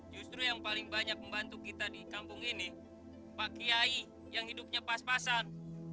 justru yang paling banyak membantu kita di kampung ini pak kiai yang hidupnya pas pasan